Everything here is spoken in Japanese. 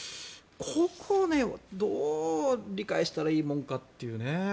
ここをどう理解したらいいもんかっていう。